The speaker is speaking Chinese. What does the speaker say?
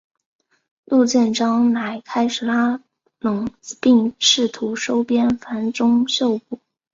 陆建章乃开始拉拢并试图收编樊钟秀部。